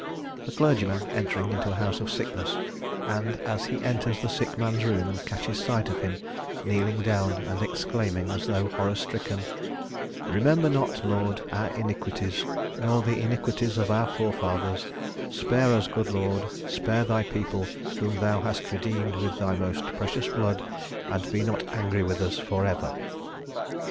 The clergyman entering into a house of sickness, and as he enters the sick man's room and catches sight of him, kneeling down and exclaiming, as though horror stricken: "Remember not, Lord, our iniquities, nor the iniquities of our forefathers; spare us, good Lord, spare Thy people whom Thou hast redeemed with Thy most precious blood, and be not angry with us for ever."